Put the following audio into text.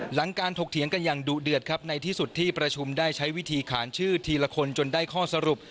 หลังการถกเถียงกันอย่างดุเดือดครับในที่สุดที่ประชุมได้ใช้วิธีขานชื่อทีละคนจนได้ข้อสรุป